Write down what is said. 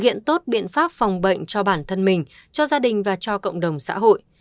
thực hiện tốt biện pháp phòng bệnh cho bản thân mình cho gia đình và cho cộng đồng xã hội